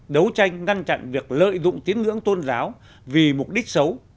đấu tranh ngăn chặn việc lợi dụng tiếng ngưỡng tôn giáo vì mục đích xấu